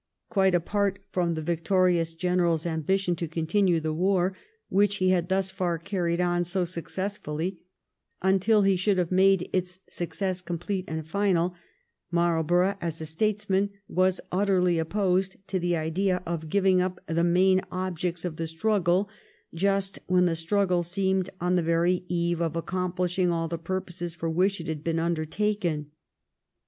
Quite apart from the victorious general's ambition to continue the war, which he had thus far carried on so successfully, until he should have made its success complete and final, Marlborough as a statesman was utterly opposed to the idea of giving up the main objects of the struggle just when the struggle seemed on the very eve of accomplishing all the purposes for which it had been undertaken.